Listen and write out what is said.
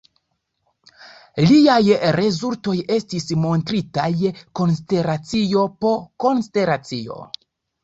Liaj rezultoj estis montritaj konstelacio po konstelacio.